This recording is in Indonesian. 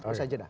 terus saja dah